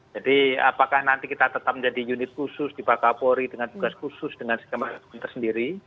jadi apakah nanti kita tetap menjadi unit khusus di pakal polri dengan tugas khusus dengan si kementerian pemerintah sendiri